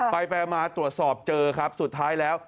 ไปไปมาตรวจสอบเจอครับสุดท้ายแล้ว